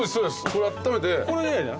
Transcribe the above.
これをあっためて。